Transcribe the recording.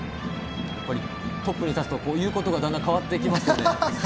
トップに立つということがだんだん変わってきますね。